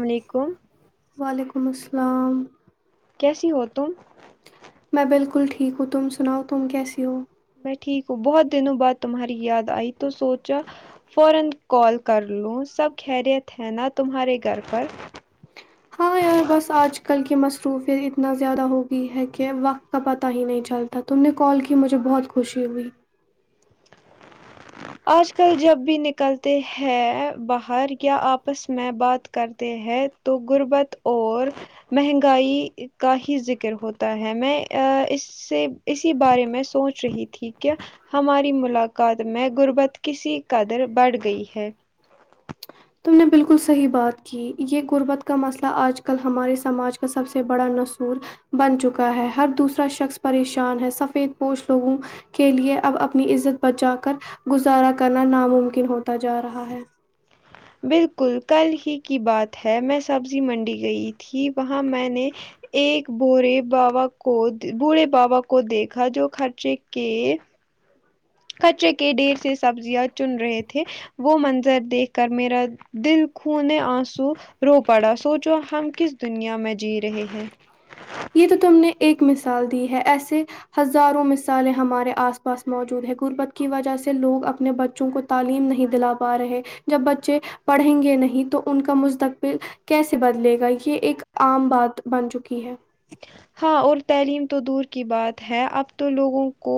علیکم وعلیکم السلام کیسی ہو تم میں بالکل ٹھیک ہو تم سناؤ تم کیسی ہو میں ٹھیک ہوں بہت دنوں بعد تمہاری یاد آئی تو سوچا فورا کال کر لوں سب خیریت ہے نا تمہارے گھر پر ہاں یار بس آج کل کی مصروفیت اتنا زیادہ ہو گئی ہے کہ وقت کا پتہ ہی نہیں چلتا تم نے کال کی مجھے بہت خوشی ہوئی آج کل جب بھی نی نکلتے ہیں باہر یا آپس میں بات کرتے ہیں تو غربت اور مہنگائی کا ہی ذکر ہوتا ہے میں اس سے اسی بارے میں سوچ رہی تھی کہ ہماری ملاقات میں غربت کسی قدر بڑھ گئی ہے تم نے بالکل صحیح بات کی یہ غربت کا مسئلہ آج کل ہمارے سماج کا سب سے بڑا ناسور بن چکا ہے ہر دوسرا شخص پریشان ہے سفید پوش لوگوں کے لیے اب اپنی عزت بچا کر گزارا کرنا ناممکن ہوتا جا رہا ہے بالکل کل ہی کی بات ہے میں سبزی منڈی گئی تھی وہاں میں نے ایک بورے بابا کو بوڑے بابا کو دیکھا جو خرچے کے کچرے کے ڈھیر سے سبزیاں چن رہے تھے وہ منظر دیکھ کر میرا دل خونے آنسو رو پڑا سوچو ہم کس دنیا میں جی رہے ہیں یہ تو تم نے ایک مثال دی ہے ایسے ہزاروں مثالیں ہمارے آس پاس موجود ہے غربت کی وجہ سے لوگ اپنے بچوں کو تعلیم نہیں دلا پا رہے جب بچے پڑھیں گے نہیں تو ان کا مستقبل کیسے بدلے گا یہ ایک عام بات بن چکی ہے ہاں اور تعلیم تو دور کی بات ہے اب تو لوگوں کو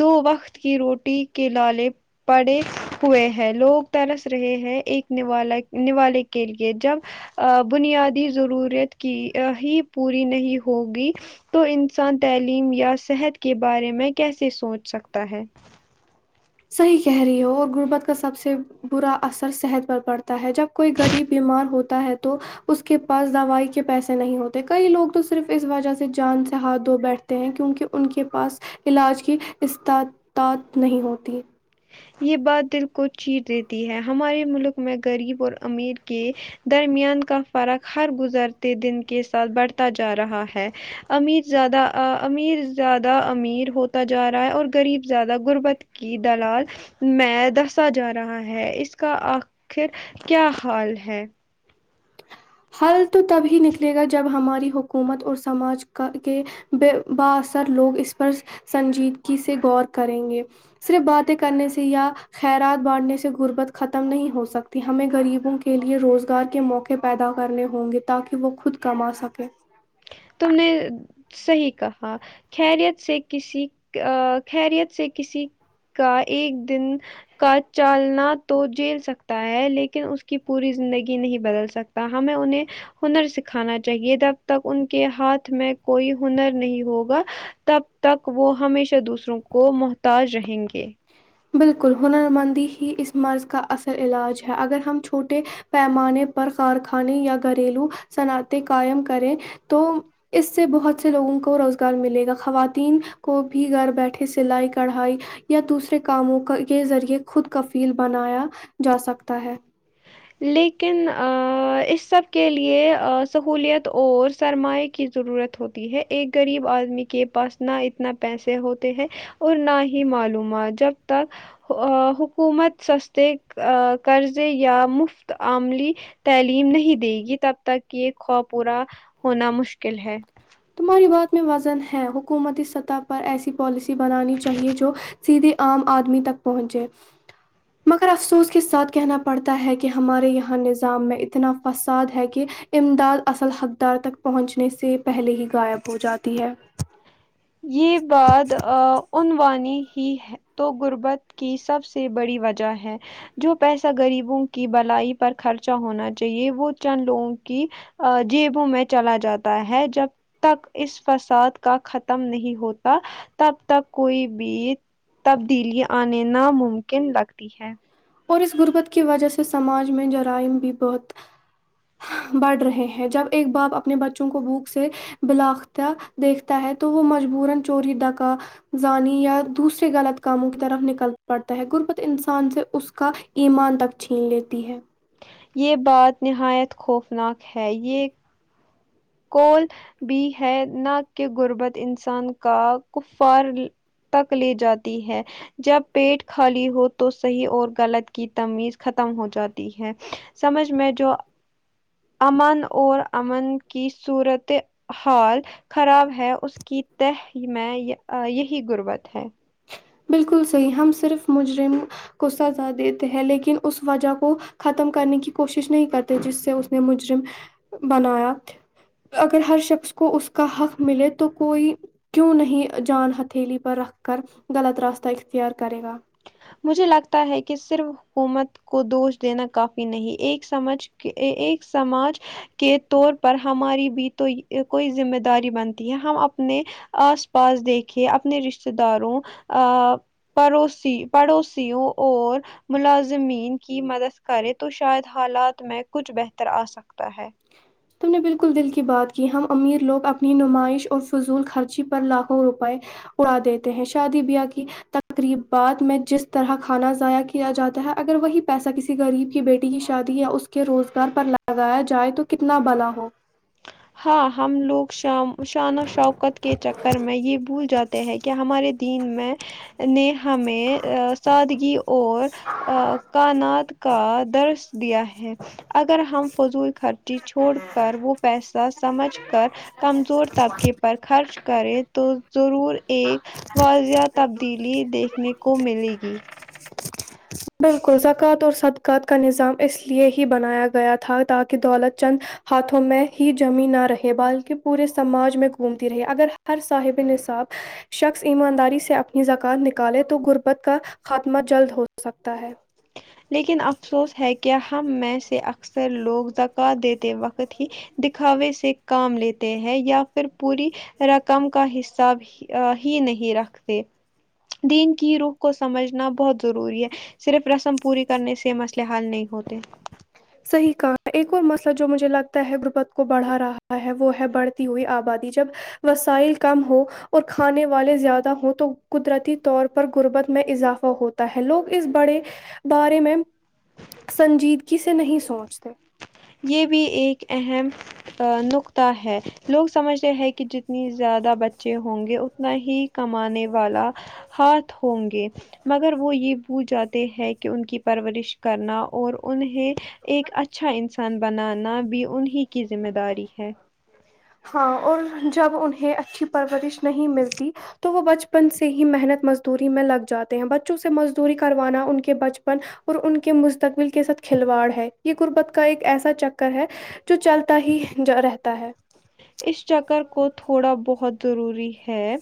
دو وقت کی روٹی کے لالے پڑے ہوئے ہیں لوگ ترس رہے ہیں ایک نوالا نوالے کے لیے جب ا بنیادی ضرورت کی ہی پوری نہیں ہوگی تو انسان تعلیم یا صحت کے بارے میں کیسے سوچ سکتا ہے صحیح کہہ رہی ہو اور غربت کا سب سے برا اثر صحت پر پڑتا ہے جب کوئی غریب بیمار ہوتا ہے تو اس کے پاس دوائی کے پیسے نہیں ہوتے کئی لوگ تو صرف اس وجہ سے جان سے ہاتھ دھو بیٹھتے ہیں کیونکہ ان کے پاس علاج کی استاتعت نہیں ہوتی یہ بات دل کو چیر دیتی ہے ہمارے ملک میں غریب اور امیر کے درمیان کا فرق ہر گزرتے دن کے ساتھ بڑھتا جا رہا ہے امیر زیادہ امیر زیادہ امیر ہوتا جا رہا ہے اور غریب زیادہ غربت کی دلال میں دسا جا رہا ہے اس کا آخر کیا حال ہے حل تو تب ہی نکلے گا جب ہماری حکومت اور سماج کا کے بے با اثر لوگ اس پر سنجیدگی سے غور کریں گے صرف باتیں کرنے سے یا خیرات بانٹنے سے غربت ختم نہیں ہو سکتی ہمیں غریبوں کے لیے روزگار کے موقع پیدا کرنے ہوں گے تاکہ وہ خود کما سکے تم نے صحیح کہا خریت سے کسی ا خیریت سے کسی کا ایک دن کا چالنا تو جیل سکتا ہے لیکن اس کی پوری زندگی نہیں بدل سکتی ہمیں انہیں ہنر سکھانا چاہیے جب تک ان کے ہاتھ میں کوئی ہنر نہیں ہوگا تب تک وہ ہمیشہ دوسروں کو محتاج رہیں گے بالکل ہنرمندی ہی اس مرض کا اصل علاج ہے اگر ہم چھوٹے پیمانے پر کارخانے یا گھریلو صنعتیں قائم کریں تو اس سے بہت سے لوگوں کو روزگار ملے گا خواتین کو بھی گھر بیٹھے سلائی کڑھائی یا دوسرے کاموں کا کے ذریعے خود کفیل بنایا جا سکتا ہے لیکن ا اس سب کے لیے سہولیت اور سرما کی ضرورت ہوتی ہے ایک غریب آدمی کے پاس نہ اتنا پیسے ہوتے ہیں اور نہ ہی معلومات جب تک آ حکومت سستے آ قرضے یا مفت عملی تعلیم نہیں دے گی تب تک یہ خوب پورا ہونا مشکل ہے تمہاری بات میں وزن ہے حکومتی سطح پر ایسی پالیسی بنانی چاہیے جو سیدھے عام آدمی تک پہنچے مگر افسوس کے ساتھ کہنا پڑتا ہے کہ ہمارے یہاں نظام میں اتنا فساد ہے کہ امداد اصل حقدار تک پہنچنے سے پہلے ہی غائب ہو جاتی ہے یہ بات عنوانی ہی ہے تو غربت کی سب سے بڑی وجہ ہے جو پیسہ غریبوں کی بلائی پر خرچا ہونا چاہیے وہ چند لوگوں کی جیبوں میں چلا جاتا ہے جب تک اس فساد کا خط ختم نہیں ہوتا تب تک کوئی بھی تبدیلی آنے ناممکن لگتی ہے اور اس غربت کی وجہ سے سماج میں جرائم بھی بہت بڑھ رہے ہیں جب ایک باپ اپنے بچوں کو بھوک سے بلاخت دیکھتا ہے تو وہ مجبوران چوری دکا زانی یا دوسرے غلط کاموں کی طرف نکل پڑتا ہے غربت انسان سے اس کا ایمان تک چھین لیتی ہے یہ بات نہایت خوفناک ہے یہ کوول بھی ہے نہ کہ غربت انسان کا کفار تک لے جاتی ہے جب پیٹ خالی ہو تو صحیح اور غلط کی تمیز ختم ہو جاتی ہے سمجھ میں جو امن اور امن کی صورت حال خراب ہے اس کی تہ میں یہ یہی غربت ہے بالکل صحیح ہم صرف مجرم کو سزا دیتے ہیں لیکن اس وجہ کو ختم کرنے کی کوشش نہیں کرتے جس سے اس نے مجرم بنایا اگر ہر شخص کو اس کا حق ملے تو کوئی کیوں نہیں جان ہتھیلی پر رکھ کر غلط راستہ اختیار کرے گا مجھے لگتا ہے کہ صرف حکومت کو دوش دینا کافی نہیں ایک سمجھ ایک سماج کے طور پر ہماری بھی تو کوئی ذمہ داری بنتی ہے ہم اپنے آس پاس دیکھے اپنے رشتے داروں ا پڑوسی پڑوسیوں اور ملازمین کی مدد کرے تو شاید حالات میں کچھ بہتر آ سکتا ہے تم نے بالکل دل کی بات کی ہم امیر لوگ اپنی نمائش اور فضول خرچی پر لاکھوں روپئے اڑا دیتے ہیں شادی بیاہ کی تقریبات میں جس طرح کھانا ضائع کیا جاتا ہے اگر وہی پیسہ کسی غریب کی بیٹی کی شادی یا اس کے روزگار پر لگایا جائے تو کتنا بہلا ہو ہاں ہم لوگ شام شان و شوکت کے چکر میں یہ بھول جاتے ہیں کہ ہمارے دین میں نے ہمیں سادگی اور کانات کا درس دیا ہے اگر ہم فضول خرچی چھوڑ کر وہ پیسہ سمجھ کر کمزور طبقے پر پر خرچ کرے تو ضرور ایک واضح تبدیلی دیکھنے کو ملے گی بالکل زکوۃ اور صدقات کا نظام اس لیے ہی بنایا گیا تھا تاکہ دولت چند ہاتھوں میں ہی جمییں نہ رہے بلکہ پورے سماج میں گھومتی رہی اگر ہر صاحب نصاب شخص ایمانداری سے اپنی زکات نکالے تو غربت کا خاتمہ جلد ہوتا ہو سکتا ہے لیکن افسوس ہے کہ ہم میں سے اکثر لوگ زکات دیتے وقت ہی دکھاوے سے کام لیتے ہیں یا پھر پوری رقم کا حساب ا ہی نہیں رکھتے دین کی روخ کو سمجھنا بہت ضروری ہے صرف رسم پوری کرنے سے مسئلے حل نہیں ہوتے صحیح کہا ہے ایک اور مسئلہ جو مجھے لگتا ہے غربت کو بڑھا رہا ہے وہ ہے بڑھتی ہوئی آبادی جب وسائل کم ہو اور کھانے والے زیادہ ہوں تو قدرتی طور پر غربت میں اضافہ ہوتا ہے لوگ اس بڑے بارے میں سنجیدگی سے نہیں سوچتے یہ بھی ایک اہم نقتہ ہے لوگ سمجھتے ہیں کہ جتنی زیادہ بچے ہوں گے اتنا ہی کمانے والا ہاتھ ہوں گے مگر وہ یہ بھول جاتے ہیں کہ ان کی پرورش کرنا اور انہیں ایک اچھا انسان بنانا بھی انہیں کی ذمہ داری ہے ہاں اور جب انہیں اچھی پرورش نہیں ملتی تو وہ بچپن سے ہی محنت مزدوری میں لگ جاتے ہیں بچوں سے مزدوری کروانا ان کے بچپن اور ان کے مستقبل کے ساتھ کھلواڑ ہے یہ غربت کا ایک ایسا چکر ہے جو چلتا ہی ج رہتا ہے اس چکر کو تھوڑا بہت ضروری ہے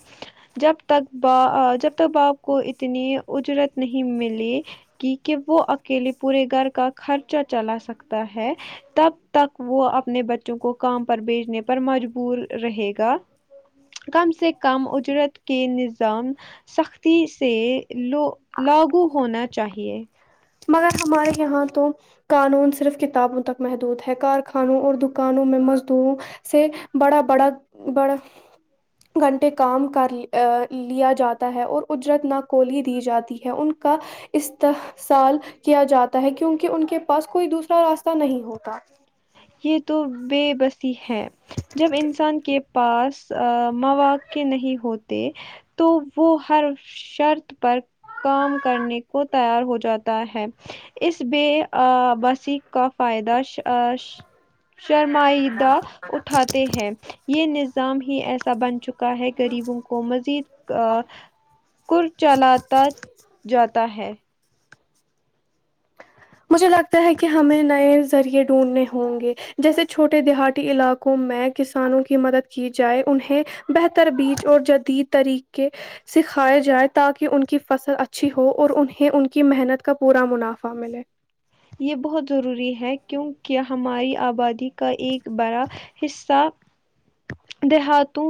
جب تک با جب تک باپ کو اتنی اجرت نہیں ملی کی کہ وہ اکیلے پورے گھر کا خرچہ چلا سکتا ہے تب تک وہ اپنے بچوں کو کام پر بھیجنے پر مجبور رہے گا کم سے کم اجرت کے نظام سختی سے لو لاگو ہونا چاہیے مگر ہمارے یہاں تو قانون صرف کتابوں تک محدود ہے کارخانوں اور دکانوں میں مزدوروں سے بڑا بڑا بڑا گھنٹے کام کر لیا جاتا ہے اور اجرت نہ کلی دی جاتی ہے ان کا استحصال کیا جاتا ہے کیونکہ ان کے پاس کوئی دوسرا راستہ نہیں ہوتا یہ تو بے بسی ہے جب انسان کے پاس مواقع نہیں ہوتے تو وہ ہر شرط پر کام کرنے کو تیار ہو جاتا ہے اس بے بسی کا فائدہ شرمائیدہ اٹھاتے ہیں یہ نظام ہی ایسا بن چکا ہے گغریبوں کو مزید کر چلا جاتا تا ہے مجھے لگتا ہے کہ ہمیں نئے ذریعے ڈھونڈنے ہوں گے جیسے چھوٹے دیہات علاقوں کو میں کسانوں کی مدد کی جائے انہیں بہتر بیج اور جدید طریقے سکھاائے جائے تاکہ ان کی فصل اچھی ہو اور انہیں ان کی محنت کا پورا منافع ملے یہ بہت ضروری ہے کیونکہ ہماری آبادی کا ایک بڑا حصہ دیہاتوں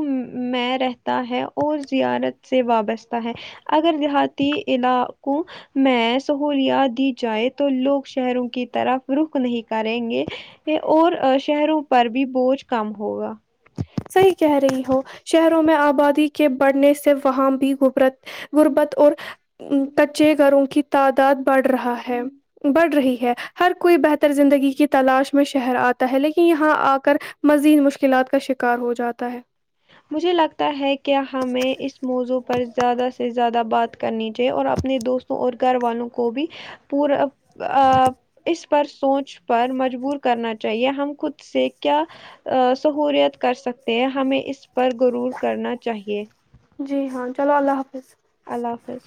میں رہتا ہے اور زیارت سے وابستہ ہے اگر دیہاتی علاقوں میں سہولیات دی جائے تو لوگ شہروں کی طرف رخ نہیں کریں گے یہ اور شہروں پر بھی بوج کم ہوگا صحی کہہ رہی ہو شہروں میں آبادی کے بڑھنے سے وہاں بھی گبرت غربت اور کچے گھروں کی تعداد بڑھ رہا ہے بڑھ رہی ہے ہر کوئی بہتر زندگی کی تلاش میں شہر آتا ہے لیکن یہاں آ کر مزید مشکلات کا شکار ہو جاتا ہے مجھے لگتا ہے کہ ہمیں اس موضوع پر زیادہ سے زیادہ بات کرنی چاہے اور اپنے دوست اور گھر والوں کو بھی پورا اس پر سوچ پر مجبور کرنا چاہیے ہم خود سے کیا سہورت کر سکتے ہیں ہمیں اس پر رور کرنا چاہیے جی ہاں چلو اللہ حافظ اللہ حافظ